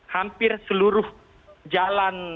hampir seluruh jalan